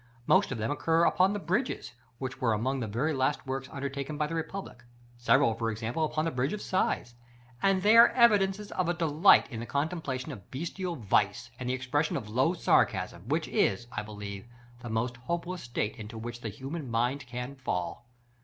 Most of them occur upon the bridges, which were among the very last works undertaken by the republic, several, for instance, upon the Bridge of Sighs; and they are evidences of a delight in the contemplation of bestial vice, and the expression of low sarcasm, which is, I believe, the most hopeless state into which the human mind can fall.